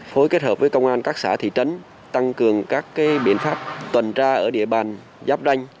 phối kết hợp với công an các xã thị trấn tăng cường các biện pháp tuần tra ở địa bàn giáp ranh